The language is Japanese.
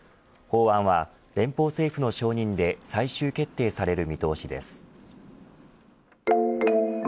法案は、連邦政府の承認で最終決定される見通しです。